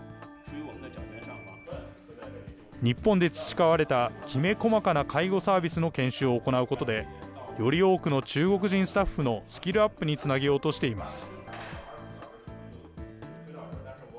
日本で培われたきめ細かな介護サービスの研修を行うことで、より多くの中国人スタッフのスキルアップにつなげようとしています。